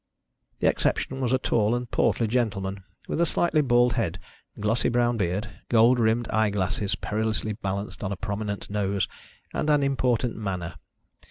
The exception was a tall and portly gentleman with a slightly bald head, glossy brown beard, gold rimmed eye glasses perilously balanced on a prominent nose, and an important manner.